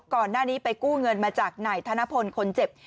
ก่อนหน้านี้ไปกู้เงินมาจากไหนธนพลคนเจ็บ